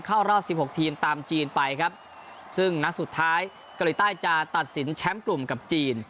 เข้ารอบสิบหกทีมตามจีนไปครับซึ่งนัดสุดท้ายเกาหลีใต้จะตัดสินแชมป์กลุ่มกับจีน